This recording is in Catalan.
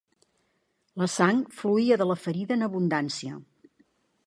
La sang fluïa de la ferida en abundància.